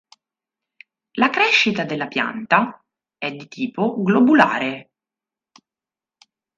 La crescita della pianta è di tipo "globulare".